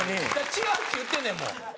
「違う」って言ってんねんもん。